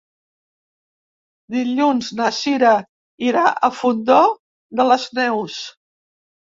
Dilluns na Cira irà al Fondó de les Neus.